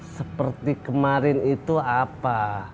seperti kemarin itu apa